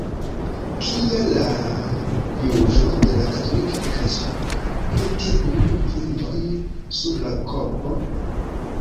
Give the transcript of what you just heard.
Kia la juĝo de la Katolika Eklezio pri tiuj vundoj sur la korpo?